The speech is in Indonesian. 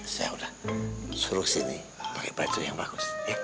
saya sudah suruh sini pakai baju yang bagus